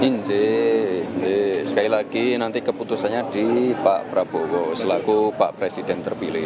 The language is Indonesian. ini sekali lagi nanti keputusannya di pak prabowo selaku pak presiden terpilih